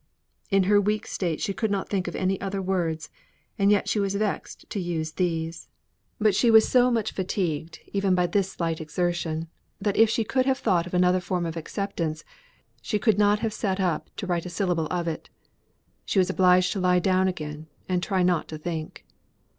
In her weak state she could not think of any other words, and yet, she was vexed to use these. But she was so much fatigued even by this slight exertion, that if she could have thought of another form of acceptance, she could not have sate up to write a syllable of it. She was obliged to lie down again and try not to think.